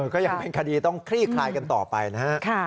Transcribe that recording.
ก็ยังเป็นคดีต้องคลี่คลายกันต่อไปนะฮะ